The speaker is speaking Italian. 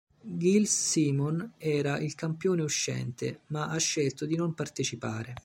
Gilles Simon era il campione uscente, ma ha scelto di non partecipare.